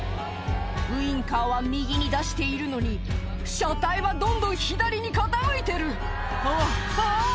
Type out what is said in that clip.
ウインカーは右に出しているのに車体はどんどん左に傾いてるあっあぁ